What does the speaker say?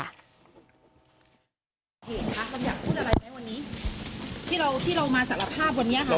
เห็นคะเราอยากพูดอะไรไหมวันนี้ที่เราที่เรามาสารภาพวันนี้ค่ะ